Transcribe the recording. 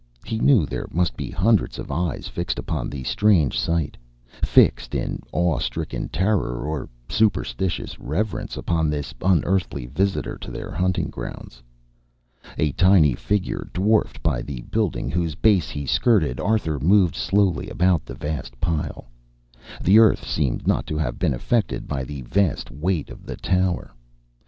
He knew there must be hundreds of eyes fixed upon the strange sight fixed in awe stricken terror or superstitious reverence upon this unearthly visitor to their hunting grounds. A tiny figure, dwarfed by the building whose base he skirted, Arthur moved slowly about the vast pile. The earth seemed not to have been affected by the vast weight of the tower.